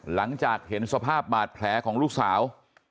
หลังจากเห็นสภาพบาดแผลของลูกสาว